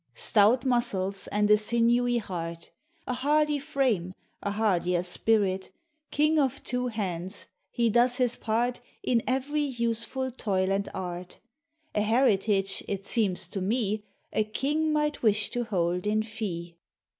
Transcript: Stout muscles and a sinewy heart, A hardy frame, a hardier spirit; King of two hands, he does his part In every useful toil and art; A heritage, it seems to me, A king might wish to hold in fee.